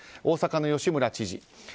大阪の吉村知事。